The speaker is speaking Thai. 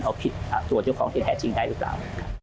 เอาผิดตัวเจ้าของที่แท้จริงได้หรือเปล่า